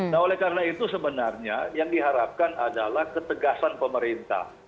nah oleh karena itu sebenarnya yang diharapkan adalah ketegasan pemerintah